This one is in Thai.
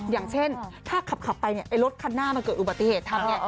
อย่างเช่นถ้าขับไปเนี่ยไอ้รถคันหน้ามันเกิดอุบัติเหตุทำไง